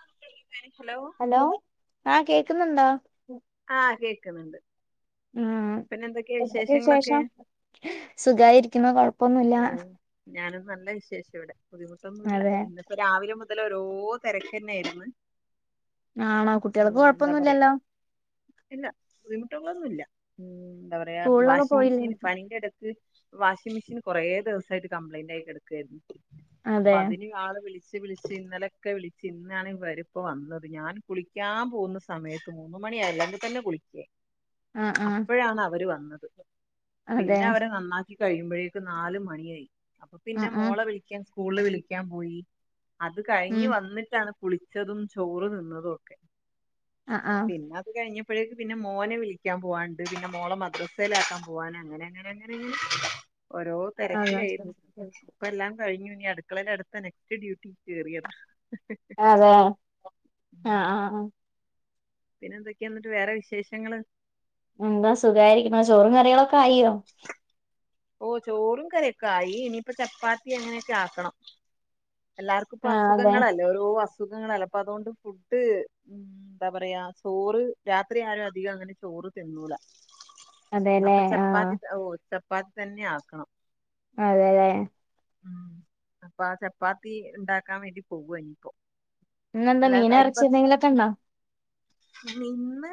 [inaudible] Hello ആഹ കേക്കുന്നുന്താ ുന്നുണ്ട് ഉ അ ശേഷം സുഖമായിരിക്കുന്ന കൊഴപ്പ അപ്പൊന്നുമില്ല ഓ ഞാനും നല്ല വിശേഷം ഇവിടെ ബുദ്ധിമുട്ടൊന്നും അതെ ഇപ്പോ രാവിലെ മു ഇല ഓരോ തിരക്ക് തന്നെ ആയിരുന്നു ആ ആണോ കുട്ടികൾക്ക് കൊഴപ്പൊന്നുമല്ലല്ലോ ഇല്ല എന്താ പറയാ വാഷിംഗ പോയില്ലേ മെഷീൻ പണന്റെടുക്ക് വാഷിംഗ മെഷീൻ കൊറേ ദിവസായിട്ട് കംപ്ലൈന്റ് ആയി എടുക്കായിരുന്നു അപ്പൊ അതെ അതിന്ള്െ വിള ളച്ച് വിളിച്ച് ഇന്നലെയൊക്കെ വിളിച്ച് ഇന്നാണ് ഇവരിപ്പോ വന്നത് ഞാൻ കുളിക്കാൻ പോകുന്ന സമയത്ത് മൂന്നും മണിയായല്ലോ [unintelligible] കുളിക്കേ ആഹ് ആഹ് അപ്പഴാണ് അവര് വന്നത് അതെ പിന്നെ അവരെ നന്നാക്കി കഴിയുമ്പഴേ നാല് മണിയായി അപ്പൊ പിന്നെ ആഹ് ആഹ് മോളെ വിളിക്കാൻ സ്കൂളില് വിളിക്കാൻ പോയി അത് കഴിഞ്ഞ് ഉം വന്നിട്ടാണ് കുളിച്ചതും ചോറ് തിന്നതുംഒക്കെ ആഹ് ആഹ് പിന്നെ അത് കഴി പ്പഴേക്ക് പിന്നെ മോനെ വിളിക്കാൻ പോവാന്ണ്ട് പിന്നെ മോളെ മദ്രസെലാക്കാൻ പോവാനൻ അങ്ങനെ അങ്ങനെ അങ്ങനങ്ങനെ ഓരോ അതെ തെരക്കിലായിരുന്നു ഇപ്പം എല്ലാം കഴിഞ്ഞു ഞ്ഞി അടുക്കളെല് അടുത്ത നെക്സ്റ്റ് ഡ്യൂട്ടി കേറിയത് അതെ ആഹ് ആഹ് പിന്നെ എന്തൊക്കെയാ എന്നിട്ട് വേറെ വിശേഷങ്ങള് എന്താ സുഖായിരിക്കണ് ചോറും കറികളൊക്കെ ആയിയൊ ഓ ചോറും കറിയൊക്കെ ആയി ഇനിയിപ്പ ചപ്പാത്തി അങ്ങനെയൊക്കെ ആക്കണം എല്ലാർക്കും ഇപ്പ ആഹ് അതെ അസുഖങ്ങളല്ലേ ഓരോ അസ് അസുഖങ്ങളല്ലെ അപ്പ അതുകൊണ്ട് ഫുഡ് എന്താ പറയാ ചോറ് രാത്രി ആരും അധികം അങ്ങനെ ചോറ് റ് തിന്നൂല അതെല്ലേ അപ്പ ആഹ് ചപ്പാത്തി ഓ ചപ്പാത്തി തന്നെ ആക്കണം അതെലെ ഉം അപ്പ ചപ്പാത്തി ഇണ്ടാക്കാൻ വേണ്ടി പോവാ ഇനിയിപ്പോ ഇന്ന്ന്താ മീന് എല്ലാവർക്കും ഇറച്ചി അരിഭക്ഷണം എന്തെങ്കിലും എക്കെണ്ട ഇന്ന്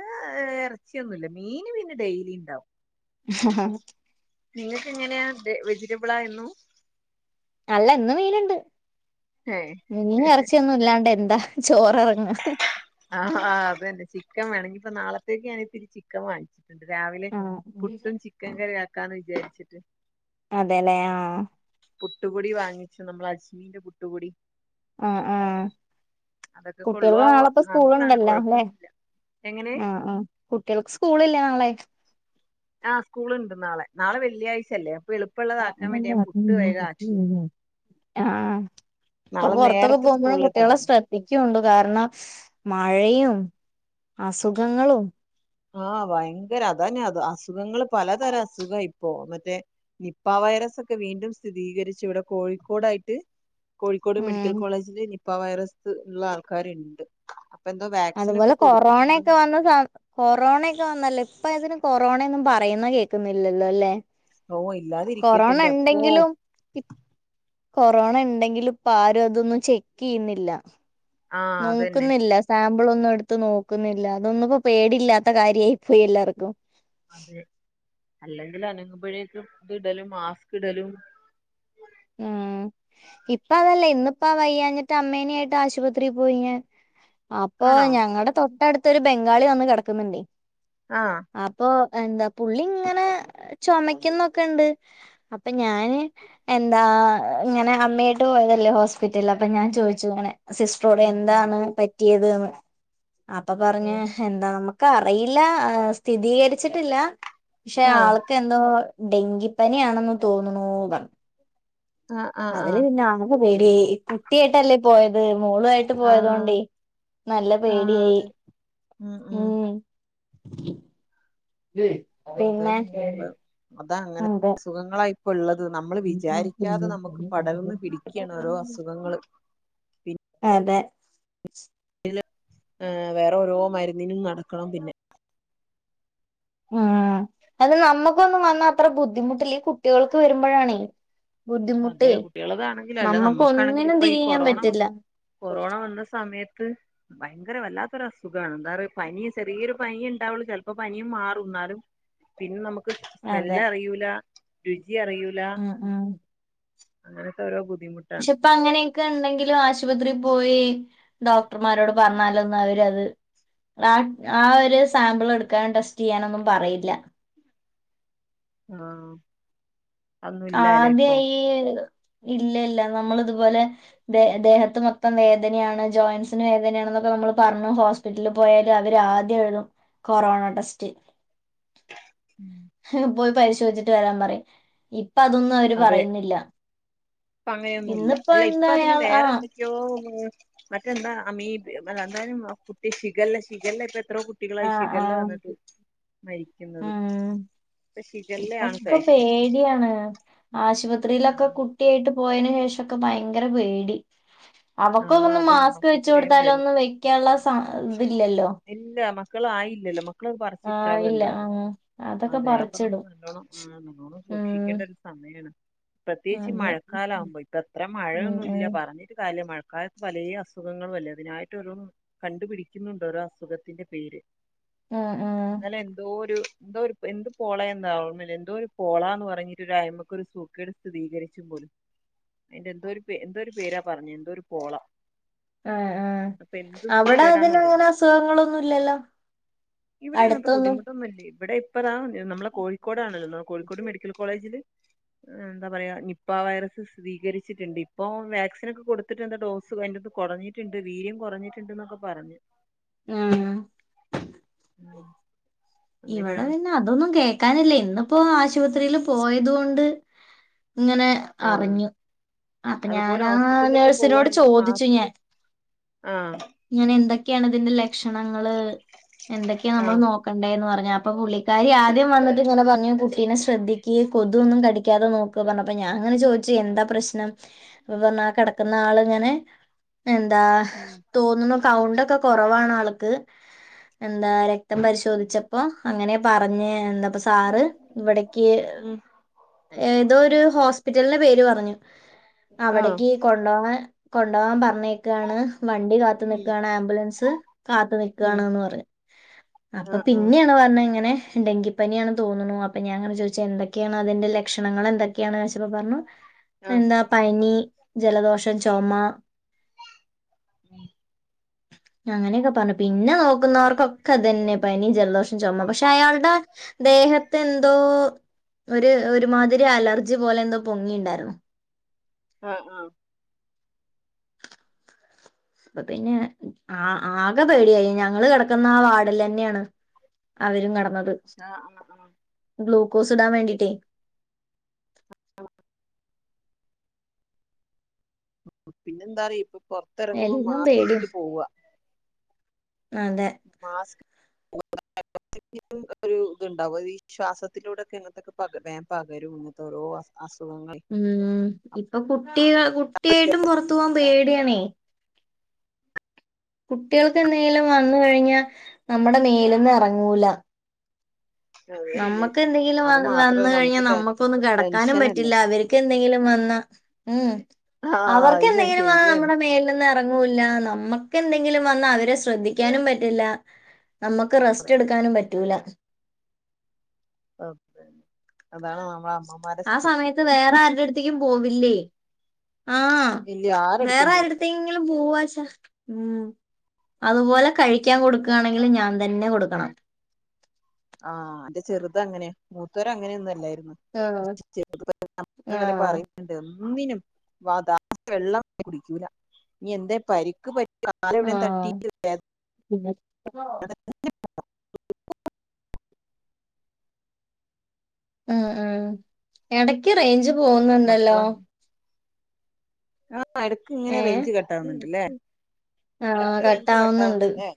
ഇറച്ചിയൊന്നുല്ല മീന് പിന്നെ ഡെയിലി ഇണ്ടാവും നിങ്ങക്ക് എങ്ങനെയാ വെ വെജിറ്റബിളാ എന്നും അല്ല ഇന്ന് മീനിണ്ട് ഏ മീനും ഇറച്ചിയൊന്നും ഇല്ലാണ്ട് എന്താ ചോറെറങ്ങാ ആഹ് ആഹ് അത് തന്നെ ചിക്കൻ വേണം ഇനിഇപ്പൊ നാളത്തേക്ക് ഞാന് ഇത്തിരി ചിക്കൻ വാങ്ങിച്ചു ണ്ട് രാവിലെ ആഹ് പുട്ടും ചിക്കൻ കറിം ആക്കാന്ന് വിചാരിച്ചിട്ട് അതെലെ ആഹ് പുട്ടുപൊടി വാങ്ങിച്ചു നമ്മള് അജ്മീന്റെ പുട്ട്പൊടി ആഹ് ആഹ് അതൊക്കെ കൊള്ളു കുട്ടികൾക്ക് ആവൊ നാളെപ്പ നല്ലതാണ് സ്കൂളുണ്ടല്ലോ അല്ലെ കൊഴപ്പൊന്നു ഇല്ല ആഹ് ആ കുട്ടികൾക്ക് സ്കൂളില്ലെ നാളെ ആഹ് സ്കൂളുണ്ട് നാളെ നാളെ വെള്ളിയാഴ്ച അല്ലെ ആ ഇന്നെന്ത [unintelligible] ആഹ് ഇപ്പൊ നാളെ പൊറത്തൊക്കെ നേരത്തെ പോമ്പഴും സ്കൂളിൽ കുട്ടികളെ എത്തണല്ലോ ശ്രദ്ധിക്കൊണ്ടു കാരണം മഴയും അസുഖങ്ങളും ആഹ് ഭയങ്കര അതന്നെ അത് അസുഖങ്ങള് പലതരം അസുഖ ഇപ്പോ മറ്റേ നിപ്പാവൈ റസ് ഒക്കെ വീണ്ടും സ്ഥിതീകരിച്ചു ഇവടെ കോഴിക്കോടായിട്ട് കോഴിക്കോട് മെഡിക്കൽ ഉം കോളേജില് നിപ വൈറസ് ള്ള ആൾക്കാരിണ്ട് അതുപോലെ കൊറോണൊക്കെ വന്ന സ കൊറോണെ ക്ക വന്നല്ലോ ഇപ്പ അതിന് കൊറോണ ഒന്നും പറയുന്ന കേക്കുന്നില്ലല്ലോ അല്ലേ ഓ ഇല്ലാതിരിക്കട്ടെ കൊറോണ എന്റെ അപ്പോ എണ്ടെങ്കിലും ഇ കൊറോണ ഇണ്ടെങ്കിലും ഇപ്പ ആരും അതൊന്നും ചെക്കെയ്യുന്നില്ല ആ അതന്നെ നോക്കുന്നില്ല സാ മ്പിളൊന്നും എടുത്ത് നോക്കുന്നില്ല അതൊന്നും ഇപ്പോ പേടില്ലാത്ത കാര്യായി പോയി എല്ലാർക്കും അല്ലെങ്കില് അനങ്ങ്മ്പഴേക്കും ഇത് ഇടലും മാസ്ക് ഇടലും ഉം ഇപ്പ അതല്ല ഇന്നിപ്പ വയ്യാഞ്ഞിട്ട് അമ്മേനേം ആയിട്ട് ആശുപത്രി പോയി ഞാൻ അപ്പൊ ആണോ ഞങ്ങടെ തൊട്ടടുത്തൊരു ബംഗാളി വന്ന് കെടക്കുന്നിണ്ടെ ആഹ് അപ്പൊ എന്താ പുള്ളി ഇങ്ങനെ ചൊമക്കുന്നൊക്കെണ്ട് അപ്പൊ ഞാന് എന്താ ഇങ്ങനെ അമ്മയായിട്ട് പോയതല്ലേ ഹോസ്പിറ്റല് അപ്പൊ ഞാൻ ചോദിച്ചു ഇങ്ങനെ സിസ്റ്ററോട് ഉം എന്താണ് പറ്റിയത് ന്ന് അപ്പൊ പറഞ്ഞ് ഉം എന്താ നമ്മ ക്കറിയില്ല സ്ഥിതീകരിച്ചിട്ടില്ല പഷേ ആഹ് ആൾക്ക് എന്തോ ഡെങ്കിപ്പനി ആണെന്ന് തോന്നുണു പറഞ്ഞു ആഹ് ആഹ് അതില് ആഹ് പിന്നെ [unintelligible] പേടിആയി കുട്ടിയായിട്ടല്ലേ പോയത്. മോളു ആയിട്ട് ആഹ് പോയതോണ്ടേ നല്ല ആഹ് പേടിയായി അതെ ഉം. ഉ [unintelligible] പിന്നെ അത അങ്ങനെ അതെ അസുഖങ്ങളായിപ്പിള്ള ത് നമ്മള് വിചാരിക്കാതെ നമുക്ക് പടർന്ന് പിടിക്കാണ് ഓരോ അസുഖങ്ങള്. പിന്നെ അതെ. വേറെ ഓരോ മരുന്നിനും നടക്കണം. പിന്നെ ഉം അത് നമ്മുക്കൊന്നും വന്നാ അത്ര ബുദ്ധിമുട്ടില്ല. ഈ കുട്ടികൾക്ക് വരുമ്പോഴാണെ അതെ കുട്ടികളതാണെങ്കിലും അല്ല നമ്മുക്കാണെങ്കിലും ഒന്നിനും ഇപ്പൊ ഈ തിരിയാൻ കൊറോണ പറ്റില്ല കൊറോണ വന്ന സമയത്ത് ഭയങ്കര വല്ലാത്തൊര സുഖാണ് എന്താറിയോ പനിയ ചെറിയൊരു പനിയെ ഇണ്ടാവുള്ളൂ. ചെലപ്പോ പനിയും മാറും എന്നാലും പിന്നെ നമു ക്ക് അതെ സ്മെല്ലറിയൂല രുചി അറിയൂല ഉം ഉം അങ്ങനത്തെ ഓരോ ബു പക്ഷെ ഇപ്പ അങ്ങനെയൊക്കെ ഉണ്ടെങ്കിലും ആശുപത്രിയിൽ പോയി ഡോക് ക്ടർമാരോട് പറഞ്ഞാലൊന്ന് അവരത് ആ ഒരു സാമ്പിൾ എടുക്കാനും ടെസ്റ്റ് ചെയ്യാനൊന്നും പറയില്ല. ആ ആദ്യ ഈ ഇല്ല ഇല്ല നമ്മള് ഇതുപോലെ ദേ ദേഹത്ത് മൊത്തം വേദനയാണ്. ജോയിന്റ്സിന് വേദനയാണൊന്നക്ക പ നമ്മള് പറന് ഹോസ്പിറ്റലിൽ പോയാല് അവര് ആദ്യം എഴുതും കൊറോണ ടെസ്റ്റ്. പോയി പരിശോയ്ച്ച്ട്ട് വരാൻ പറയും. ഇപ്പ അതൊന്നും അവര് അതെ പറയുന്നില്ല. ഇപ്പ അങ്ങയൊന്നുല്ല. ഇന്നിപ്പോ അല്ല ഇപ്പ എന്താ അതിന് അയാൾ ആ വേറെ എന്തൊക്കെയോ മറ്റെന്താ അമീബയോ അല്ല എന്തായലും അ കുട്ടി ഷിഗല്ല ശിഗല്ല ഇപ്പഎ എത്രോ കുട്ടികളാ ആ ഈ ആ ശിഖല്ല വന്ന്ട്ട് മരിക്കുന്നത്. ഇപ്പൊ ശിഖല്ലയാണ് ഇപ്പൊക്ക ഫാഷൻ പേടിയാണ്. ആശുപത്രിയിലൊക്കെ കുട്ടിയായ്ട്ട് പോയെന് ശേഷൊക്കെ ഭയങ്കര പേടി. അവക്ക് ആഹ് ഒന്നും അതന്നെ മാസ്ക് മക്കൾക്ക് വേഗം വരും വെച്ചൊടുത്താലൊന്നും വെക്കാനുള്ള സ ഇതില്ലല്ലോ. മക്കളായില്ലല്ലോ മക്. മക്കള് ആഹ് പറിച്ചിട്ടാളു ഇല്ല എന്തായാലും ആഹ് അതൊക്കെ അതെ അപ്പൊ നമ്മൾ പറിച്ചിടും നല്ലോണ്ണം നല്ലോണം ഉം സൂക്ഷിക്കേണ്ട ഒരു സ [unintelligible] പ്രത്യേകിച്ചി അതെ മഴക്കാല ആവുമ്പോ ഇപ്പ എത്ര ഉം മഴയൊന്നുല്ല ഉം പറഞ്ഞിട്ട്കാര്യല്ല മഴ കായത്ത് പലെ അസുഖങ്ങളുഅല്ലേ അതിനായിട്ട് ഒരു കണ്ടുപിടിക്കുന്നുണ്ട് ഓരോ അസുഖത്തിന്റെ പേര്. ആഹ് ആഹ് ഇന്നലെ എന്തോ ഒരു എന്തോര് എന്ത് പോള എന്താവോ ഇന്നലെ എന്തോ ഒരു പോളാന്ന് പറഞ്ഞിട്ട് ഒരയ്മക്കൊരു സൂക്കേട് സ്ഥിതീകരിച്ച് പൊ അയ്ന്റെ എന്തോര് പെ എന്തോര് പേരാ പറഞേ എന്തോ ഒരു പോളാ. ആഹ് ആ അവിടെ സൂക്കേടാന്ന് അതിന് അങ്ങനെ അറിയില്ല അസുഖങ്ങളൊന്നുല്ലല്ലോ. ഇവിടെ അങ്ങനത്തെ ബുദ്ധിമുട്ടൊന്നും ഇല്ലേ ഇവിടെ ഇപ്പതാ നമ്മളെ കോഴിക്കോടാണള്ള കോഴിക്കോട് മെഡിക്കൽ കോളേജില് എന്താ പറയാ നിപ്പ വൈറസ് സ്ഥിദീകരിച്ചിട്ട്ണ്ട്. ഇപ്പോവാക്സിനൊക്കെ കൊട്ത് ത്തിട്ട് എന്താ ഡോസ് അയ്റ്റാത്ത് കൊടഞ്ഞിട്ട്ണ്ട് വീര്യം കൊറഞ്ഞിട്ട്ണ്ട് ന്നൊക്കെ പറഞ്. ആഹ് ഉം ഇവിടെ അങ്ങനെയാണ് പിന്നെ അതൊന്നും കേക്കാനില്ല. ഇന്നിപ്പോ ആശുപത്രിയില് പോയതൊണ്ട് ഇങ്ങനെ ആഹ് അറിഞ്ഞു. അപ്പ അതുപോലെ ഞാനാ ഹോസ്പിറ്റലിലൊക്കെ നേഴ്സിനോട് പോവാണെങ്കിൽ ചോദിച്ചു മാസ്ക് ഞാൻ ആഹ് ഇങ്ങനെന്തൊക്കെയാണ് ഇതിന്റെ ലക്ഷണങ്ങള് എന്തൊക്കെയാ നമ്മള് ആഹ് നോക്ക- എന്ന് പറഞ് അപ്പം പുള്ളിക്കാരി ആദ്യം വന്ന്ട്ട് ഇങ്ങനെ പറഞ്ഞു കുട്ടീനെ ശ്രദ്ധിക്ക് കൊതൊന്നും കടിക്കാതെ ന്നോക്ക് പറ ണപ്പ ഞാൻഇങ്ങനെ ചോയ്ചേ എന്താ പ്രശ്നം അപ്പ പറനു ആ കെടക്കുന്നആള്ങ്ങനെ എന്താ ഉം തോന്നുണു കൗണ്ടൊക്കെ കൊറവാണ് ആൾക്ക് എന്താര രക്തം പരിശോധിച്ചപ്പോ അങ്ങനെ പറഞ്ഞ് എന്താ അപ്പസാറ് ഇവിടക്ക് ഉം ഏതോ ഒരു ഹോസ്പിറ്റലിന്റെ പേര് പറഞ്ഞു. ആഹ് അവടക്ക് കൊണ്ടോവാൻ കൊണ്ടോവാൻ പർ പറഞേക്കാണ് വണ്ടി കാത്ത് ഉം ന്നിക്കാണ് ആംബുലൻസ് ഉം കാത്ത്ന്നിക്കാണ്ന്ന് പറഞ് ആ ആഹ് ആഹ് പിന്നെണ് പറഞ്ഞ് ഇങ്ങനെ ഡെങ്കിപ്പനിയാണ് തോന്നുണു അപ്പ ഞാനിങ്ങനെ ചോയ്ച്ചെ എന്തൊക്കെയാണ് അതിൻ്റെ ലക്ഷണങ്ങൾ എന്തൊക്കെ ക്കെയാണ് ചോയ്ച്ചപ്പ പർണു എന്താ പനി ജലദോഷം ചൊമ അങ്ങനയൊക്കെ പറഞ്ഞു പിന്നെ നോക്കുന്നവർക്കൊക്കെ അതന്നെ പനി ജലദോഷം ചൊമ പക്ഷെ അയാൾടെ ദേഹത്തെന്തോ ഒര് ഒരുമാതിരി അലർജി പോലെ എന്തോ പൊങ്ങിണ്ടാര്ന്നു ആഹ ആ അപ്പ പിന്നെ ആ ആകെ പേടിയായി ഞങ്ങള് കെടക്കുന്ന ആ വാഡിലെന്നെണ് അവരും കടന്നത് ആഹ് ആഹ് ഗ്ലൂക്കോസ് ഇടാൻ അത് ശരി വേണ്ടിട്ടേ പിന്നെന്താറിയോ ഇപ്പ പൊറത്തിറങ്ങുമ്പോ എല്ലാം മാസ്ക് ഇട്ടിട്ട് പോവാ ആതെ [unintelligible] [unintelligible] ഒരു ഇത്ണ്ടാവും ഈ ശ്വാസത്തിലൂടെക്കെ അങ്ങനത്തൊക്കെ പക വേൻ പകരും ഇങ്ങൻത്തെ രോ അസു- ഉം ഇപ്പൊ കുട്ടിക കുട്ടിയായിട്ടും പുറത്തു പോവാാൻ പേടിയണേ കുട്ടികൾക്ക് എന്തേലും വന്ന കഴിഞ്ഞാ നമ്മുടെ മേലന്ന ഇറങ്ങൂല അത് തന്നെ നമുക്ക് എന്തെങ്കിലും അത് വന്ന മാത്രമേ കഴിഞ്ഞാൽ നമുക്ക് ടെൻ നമുക്കൊന്നും കിടക്കാനും ടെൻഷനല്ലേ പറ്റില്ല അവർക്ക് എന്തെങ്കിലും വന്ന ഉ ആഹ് അവർക്ക് അത് ശ എന്തെങ്കിലും ആ ശരിയാണ് നമ്മുടെ മേലൊന്ന ഇറങ്ങല്ല നമ്മക്ക് എന്തെങ്കിലും വന്നാ അവരെ ശ്രദ്ധിക്കാനും പറ്റില്ല നമുക്ക് റെസ്റ്റ് എടുക്കാനും പറ്റൂല അത ആ സമയത്ത് വേറെ ആരുടെ അടുത്തേക്കും പോവില്ലേ ആഹ ഇല്ല ആരെടുത്തും വേറെ പോവും ആരുത്തെങ്കിലും പോവാവാ ഉ അതുപോലെ കഴിക്കാൻ കൊടുക്കയാണെങ്കിൽ ഞാൻ തന്നെ കൊടുക്കണം ആഹ് അന്റെ ചെറുത അങ്ങനെ മൂത്തോര അങ്ങനെയ ആഹ് ഒന്നുംല്ല ആഹ് പറയുന്നുണ്ട് ഒന്നിനും വാ വെള്ളം കുടിക്കൂല നനി എന്താ പരിക്ക് പറ്റ കാല ഉട തട്ടി ആഹ് ഉം [unintelligible] ഉം ഉം ഇടക്ക് റേഞ്ച് പോകുന്നുണ്ടല്ലോ മക്കളാ ആ എടക്കഇങ്ങനെ റേഞ്ച് കട്ടാവുന്നുണ്ട്ല്ലേ ആഹ എടക്ക് കട്ട റേഞ്ച് ആവുന്നുണ്ട് കട്ടാവുന്നുണ്ട്ല്ലേ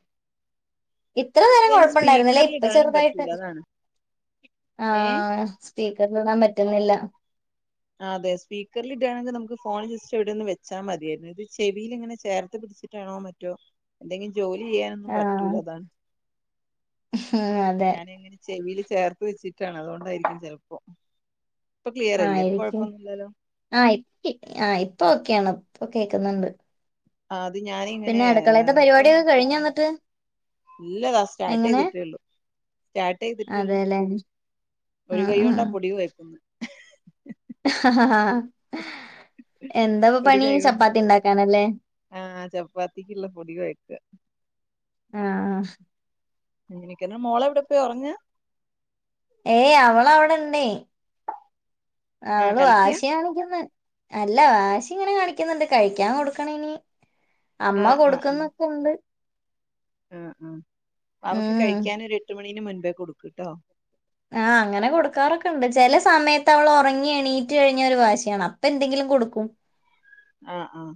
ഇത്ര നേരം ഇതയ്ന് കൊഴപ്പുണ്ടായിരുന്നല്ലേ സ്പീക്കറിൽ ഇപ്പൊ ഇടാനും ചെറുതായിട്ട് പറ്റൂല അതാണ് ആ ഏഹ് ണാൻ പറ്റുന്നില്ല അതെ സീക്കറിൽ ഇടുകവാണെങ്കിൽ നമുക്ക് ഫോൺ ജസ്റ്റ് എവിയ ഒന്ന് വെച്ചാ മതിയായിരുന്നു ഇത് ചെവിൽ ഇങ്ങനെ ചേർ ട്ടാണോ മറ്റോ എന്തെങ്കിലും ജോലി ചെയ്യാനൊന്നും ആഹ് പറ്റൂല അതാണ് ഉം അതെ ഞാന എങ്ങനെ ചെവിൽ ചേർത്ത് വെച്ചിട്ടാണ് അതുകൊണ്ടായിരിക്കും ചെിലപ്പോം ആയിരിക്കും ആഹ് ആ ഇപ്പ ഒക്കെയാണ് ഇപ്പൊ കേക്കുന്നുണ്ട് ആ അത് ഞാാനിങ്ങനെ പിന്നെ അടുക്കളയത്തെ ഇപ്പൊ പരിപാടിയൊക്കെ കഴിഞ്ഞോ എന്നിട്ട് ഇല്ലതാ സ്റ്റാർട്ട് എങ്ങനെ ചെയ്തിട്ടേള്ളു സ്റ്റാർട്ട് ചെയ്തിട്ടേള്ളു അതെല്ലേ ഒരു ആഹ് കൈ കൊണ്ടാ പൊടി വെക്കുന്നു എന്താ പണി ചപ്പാത്തി ഉണ്ടാക്കാനല്ലേ ആഹ ചപ്പാത്തിക്കുള്ള പൊടടി കൊയ്ക്ക ആഹ് നിക്ക മോളെ എവിടെ പോയി ഉറങ്ങാ ഏയ് അവളവിടെ ഇണ്ട അവള് കളിക്കുക വാശിയ കാണിക്കന്ന് അല്ല വാശി ഇങ്ങനെ കാണിക്കുന്നുണ്ട് കഴിക്കാൻ കൊടുക്കണ ഇനി അമ്മ കൊടുക്കുന്നൊക്കെ ഉണ്ട് ആഹ് ആഹ് അവക്ക് ഉം കഴിക്കാൻൊ ഒരു എട്ട് മണിന് മുൻപേ കൊടുക്കുട്ടോ ആഹ് അങ്ങനെ കൊടുക്കാറൊക്കെ ഉണ്ട് ചെല സമയത്ത് അവള് ഒറങ്ങി എണീറ്റ് കഴിഞ്ഞാ ഒരു വാശിയാണ് അപ്പ എന്തെങ്കിലും കൊടുക്കും ആഹ് ആഹ്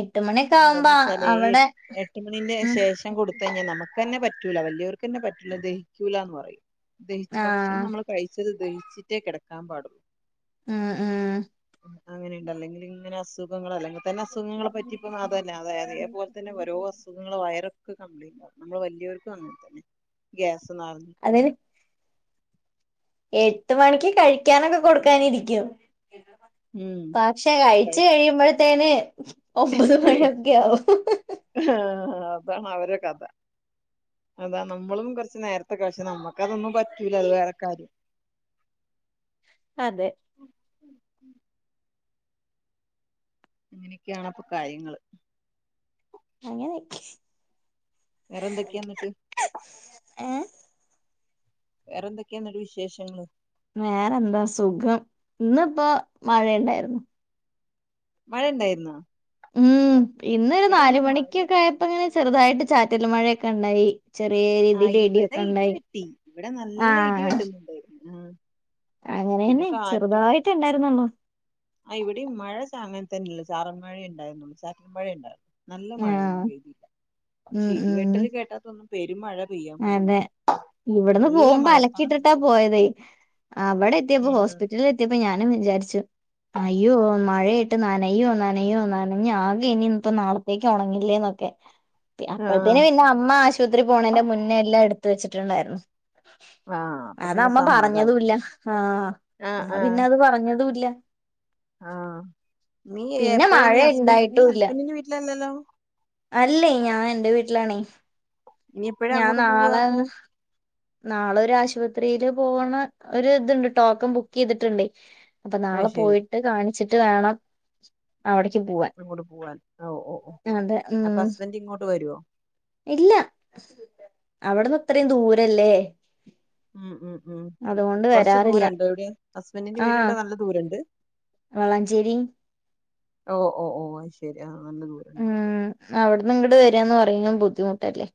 എട്ട് മണിയൊക്കെ ആവുമ്പോ അ- അതന്നെച്ചാലെ എ അവിടെ എട്ട് മണീൻ്റെ ഉം ശേഷം കൊടുത്തഴിഞ്ഞ നമ്മക്ക് തന്നെ പറ്റൂല വലിയവർക്ക്ന്നെ പറ്റൂല ദഹിക്കൂലാന്ന് പറയും. ദഹിച്ചു ആ ഭക്ഷണം നമ്മള് കഴിച്ച് ഇത് ദഹിച്ചിട്ടേ കെടക്കാൻ പാടുള്ളൂ ആഹ് ആഹ് അങ്ങനെ ഇണ്ട് അല്ലെങ്കില് ഇങ്ങന അസുഖങ്ങള് അല്ലെങ്കിൽ തന്നെ അസുഖങ്ങളെ പ ഇപ്പം അതന്നെ അതെ അതേപോല തന്നെ ഓരോ അസുഖങ്ങള് വയറ് ക്ക് കംപ്ലേൻ്റ് ആവും നമ്മൾ വലിയോർക്കും അങ്ങനെ തന്നെ ഗ്യാസ് നെറഞ്ഞിട്ടും അതിന് എട്ട് മണിക്ക് കഴിക്കാനൊക്ക കൊടുക്കാനിരിക്കും ഉം പക്ഷെ കഴിച്ചു കഴിയുമ്പൊഴത്തേന് ഒമ്പത് മണി ഒക്കെയാവും ആഹ് അതാണ് അവര കഥ അതാ നമ്മളും കൊറച്ച് നേരത്തെ കഴിച്ച് നമ്മക്ക തൊന്നും പറ്റൂല അത് വേറെ കാര്യം [inaudible] അതെ അങ്ങനെയൊക്കെ ആണ് അപ്പൊ കാര്യങ്ങള് അങ്ങനെ വേറെ എന്തൊക്കെയാ എന്നിട്ട് വേറെ എന്തൊക്കയാ എന്നിട്ട് വിശേഷങ്ങള് വേറെ എന്താ സുഖം ഇന്നിപ്പോ മഴയൊണ്ടാരുന്നു മഴ ഇണ്ടായിരുന്നോ ഉം ഇന്നൊരു നാല് ഇവിടെന്നും മഴ മണിക്കൊക്കെ ആയപ്പ ഇങ്ങനെ ചെറുതായിട്ട് ചാറ്റല് മഴയൊക്ക ഒണ്ടായി ആ ഇവിടെ ഇടി വെട്ടി ഇവിടെ നല്ല ഇടി വെട്ടുന്നുണ്ടായിരുന്നു ആ അങ്ങനെ പിന്നെ തന്നെ കാറ്റും ചെറുതായിട്ടേ ഇണ്ടായിരുന്നൊള്ളൂ ആ ഇവിടെയും മഴ ചാ അങ്ങനെ തന്നെയുള്ളൂ ചാറൽ മഴേ ഇണ്ടായിരുന്നുള്ളൂ ചാറ്റൽ മഴേ ഒണ്ടായിരുന്നു നല്ല മഴ ആഹ് ഒന്നും പെയ്തില്ല പക്ഷെ ഉം ഉം ഇടിവെട്ടല് കേട്ടാ തോന്നും പെരുംമഴ പെയ്യാൻ പോവാന്ന് അതെ ഇവിടുന്ന് പോകുമ്പോ അലക്കിയിട്ടിട്ടാ പോയതേ അവിടെ എത്തിയപ്പോ ഹോസ്പിറ്റലിൽ എത്തിയപ്പോ ഞാൻ വിചാരിച്ചു അയ്യോ മഴയായിട്ട് നനയോ നനയോ നനഞ്ഞ് ആകെ ഇനി ഇപ്പം നാളത്തേക്ക് ഒണങ്ങില്ലന്നൊ ക്കെ അപ്പഴത്തേന് ആ പിന്നേ അമ്മ ആശുപത്രി പോണേന്റെ മുന്നേ എല്ലാം എടുത്ത് വെച്ചിട്ടുണ്ടാരുന്നു ആ അപ്പൊ അത് പിന്നെ അമ്മ സമാധാനം പറഞ്ഞതുമില്ല ആ ആ അമ്മ ആ പിന്നെ അത് പറഞ്ഞതും ഇല്ല ആ നീ പിന്നെ എപ്പഴാ മഴ ഇനി ഹസ്ബൻ നീ ഇണ്ടായിട്ടുല്ല ഹസ്ബൻ്റിന്റെ വീട്ടിലല്ലല്ലോ അല്ലേ ഞാൻ എൻ്റെ വീട്ടിലാണേ ഇനി എപ്പഴാ ഞാൻ അങ്ങോട്ട് പോവാ നാളെ അപ്പൊ നാളെ ഒരു ആശുപത്രീല് പോകണ ഒരു ഇതുണ്ട് ടോക്കൻ ബുക്ക് ചെയ്തിട്ടുണ്ടേ അപ്പോ അത് നാളെ ശരി പോയിട്ട് കാണിച്ചിട്ട് വേണം അവിടേക്ക് പോവാൻ അങ്ങോട്ട് പോവാൻ ഓ ഓ ഓ അതെ അപ്പോ ഉം ഹസ്ബൻ്റ് ഇങ്ങോട്ട് വരുവോ ഇല്ല അവടുന്ന് ഇത്രയും ദൂരവില്ലേ ഉം ഉം ഉം കൊറച്ച് ദൂരം ഒണ്ട് ഇവിടെയും ഹസ്ബൻ്റിന്റെ ആഹ് വീട്ടിലോട്ട് നല്ല ദൂരം ഒണ്ട് വളാഞ്ചേരി ഓ ഓ ഓ അത് ശരി ആ നല്ല ദൂരം ഇണ്ട് അപ്പൊ പെട്ടന്നിങ്ങട്ടു വരികാന്ന് പറയുന്നതും ബുദ്ധിമുട്ടല്ലേ